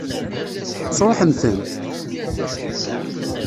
Tesṛuḥem-tent?